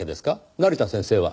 成田先生は？